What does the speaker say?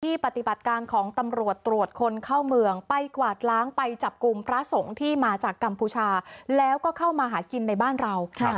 ปฏิบัติการของตำรวจตรวจคนเข้าเมืองไปกวาดล้างไปจับกลุ่มพระสงฆ์ที่มาจากกัมพูชาแล้วก็เข้ามาหากินในบ้านเรา